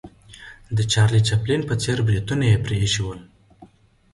د چارلي چاپلین په څېر بریتونه یې پرې ایښې ول.